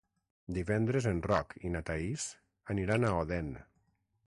Divendres en Roc i na Thaís aniran a Odèn.